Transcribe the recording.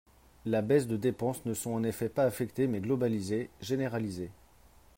Les baisses de dépenses ne sont en effet pas affectées mais globalisées, généralisées.